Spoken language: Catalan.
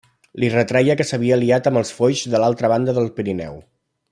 Li retreia que s'havia aliat amb els Foix de l'altra banda del Pirineu.